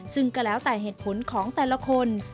ซึ่งก็แล้วแต่เหตุผลของแต่ละคน